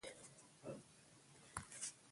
افغانستان په ټوله نړۍ کې د سیلابونو لپاره مشهور دی.